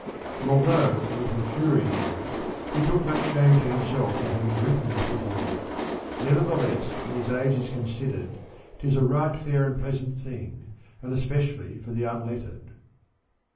And although in his maturer years he took much shame to himself for having written this little book, nevertheless when his age is considered 'tis a right fair and pleasant thing, and especially for the unlettered.